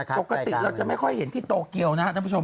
ปกติเราจะไม่ค่อยเห็นที่โตเกียวนะครับท่านผู้ชม